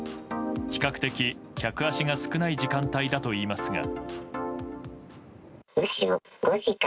比較的、客足が少ない時間帯だといいますが。